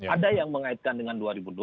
ada yang mengaitkan dengan dua ribu dua puluh